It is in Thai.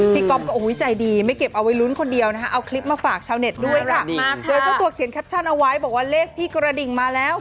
ก๊อฟก็ใจดีไม่เก็บเอาไว้ลุ้นคนเดียวนะคะเอาคลิปมาฝากชาวเน็ตด้วยค่ะโดยเจ้าตัวเขียนแคปชั่นเอาไว้บอกว่าเลขพี่กระดิ่งมาแล้ว